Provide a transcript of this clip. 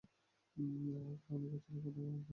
এখানকার অনেক ছেলেরই প্রথম অপরাধ কোনো আবেগের তাড়নায় ঘটেছিল।